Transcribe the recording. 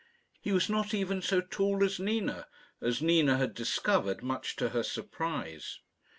He was not even so tall as Nina, as Nina had discovered, much to her surprise.